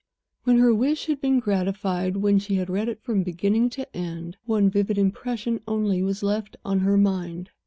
When her wish had been gratified, when she had read it from beginning to end, one vivid impression only was left on her mind.